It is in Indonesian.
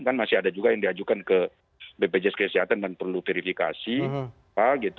kan masih ada juga yang diajukan ke bpjs kesehatan dan perlu verifikasi